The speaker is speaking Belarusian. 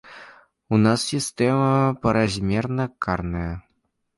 У нас сістэма празмерна карная.